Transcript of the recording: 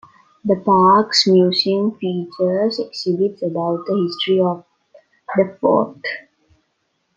The park's museum features exhibits about the history of the fort.